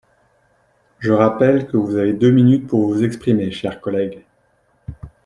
Je rappelle que vous avez deux minutes pour vous exprimer, cher collègue.